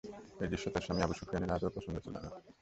এ দৃশ্য তার স্বামী আবু সুফিয়ানের আদৌ পছন্দনীয় ছিল না।